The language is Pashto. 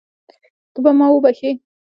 ته به ما وبښې.